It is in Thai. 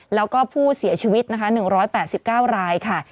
แล้วก็ผู้เสียชีวิตนะคะ๑๘๙รายค่ะ